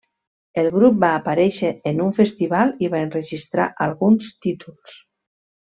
El grup va aparèixer en un festival i va enregistrar alguns títols.